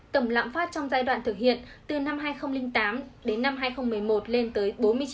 tổng lãm phát trong giai đoạn thực hiện từ năm hai nghìn tám đến năm hai nghìn một mươi một lên tới